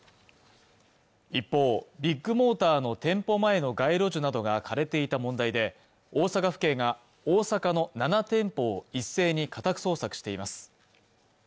一方ビッグモーターの店舗前の街路樹などが枯れていた問題で大阪府警が大阪の７店舗を一斉に家宅捜索しています